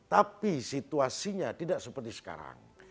tapi situasinya tidak seperti sekarang